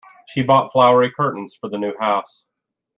She bought flowery curtains for the new house.